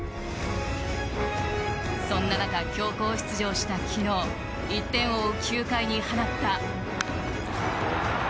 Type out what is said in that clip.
そんな中、強行出場した昨日１点を追う９回に放った。